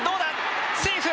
セーフだ。